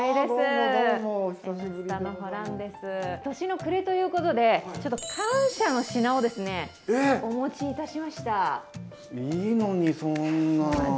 年の暮れということで、感謝の品をお持ちいたしました。